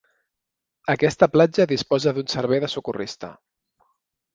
Aquesta platja disposa d'un servei de socorrista.